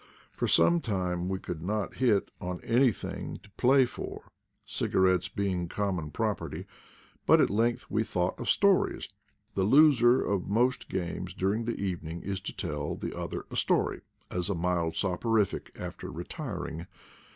For some time we could not hit on anything to play for, cigarettes being common property, but at leiigth we thought of stories, the loser of most games during the evening to tell the other a story, as a mild soporific, after retiring.